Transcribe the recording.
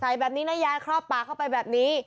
ใส่แบบนี้นะยายครอบปากเข้าไปแบบนี้